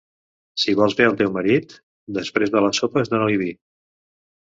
Si vols bé al teu marit, després de les sopes dona-li vi.